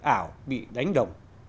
ảo bị đánh đồng